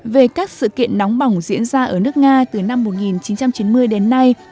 về các sự kiện nóng bỏng diễn ra ở nước nga từ năm một nghìn chín trăm chín mươi đến nay